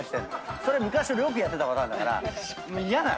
それ昔俺よくやってたパターンだから嫌なの。